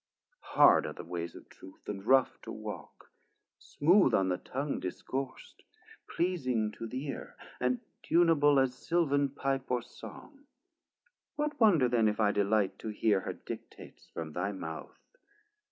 Hard are the ways of truth, and rough to walk, Smooth on the tongue discourst, pleasing to th' ear, And tuneable as Silvan Pipe or Song; 480 What wonder then if I delight to hear Her dictates from thy mouth?